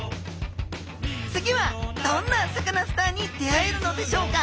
次はどんなサカナスターに出会えるのでしょうか？